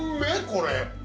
これ